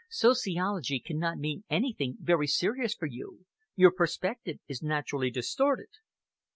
Sociology cannot mean anything very serious for you. Your perspective is naturally distorted."